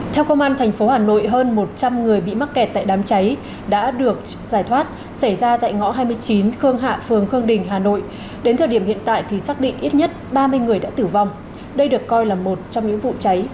theo công an tp hà nội hơn một trăm linh người bị mắc kẹt tại đám cháy đã được giải thoát xảy ra tại ngõ hai mươi chín khương hạ phường khương đình hà nội đến thời điểm hiện tại thì xác định ít nhất ba mươi người đã tử vong đây được coi là một trong những vụ cháy